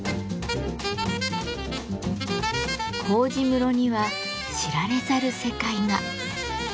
麹室には知られざる世界が。